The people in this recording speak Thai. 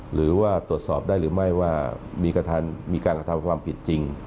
หรือว่าตรวจสอบได้หรือไม่ว่ามีการกระทำความผิดจริง